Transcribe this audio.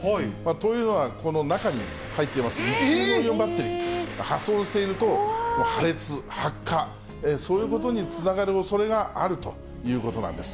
というのは、この中に入っていますリチウムイオンバッテリー、破損していると、破裂、発火、そういうことにつながるおそれがあるということなんです。